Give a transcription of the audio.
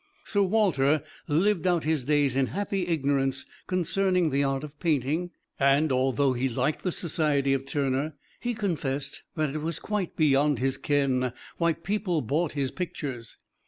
Sir Walter lived out his days in happy ignorance concerning the art of painting, and although he liked the society of Turner, he confessed that it was quite beyond his ken why people bought his pictures.